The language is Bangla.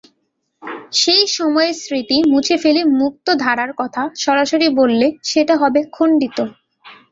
সেই সময়ের স্মৃতি মুছে ফেলে মুক্তধারার কথা সরাসরি বললে সেটা হবে খণ্ডিত।